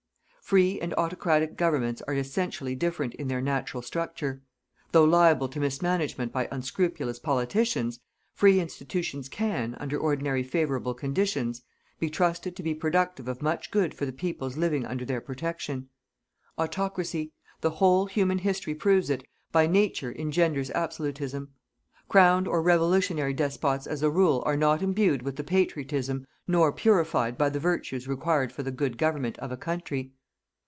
Free and autocratic governments are essentially different in their natural structure. Though liable to mismanagement by unscrupulous politicians, free institutions can, under ordinary favourable conditions, be trusted to be productive of much good for the peoples living under their protection. Autocracy the whole human history proves it by nature engenders absolutism. Crowned or revolutionary despots as a rule are not imbued with the patriotism nor purified by the virtues required for the good government of a country.